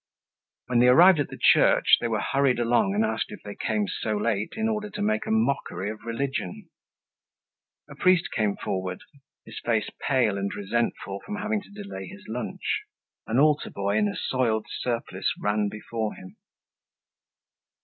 When they arrived at the church they were hurried along and asked if they came so late in order to make a mockery of religion. A priest came forward, his face pale and resentful from having to delay his lunch. An altar boy in a soiled surplice ran before him.